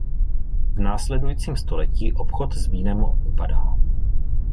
V následujícím století obchod s vínem upadá.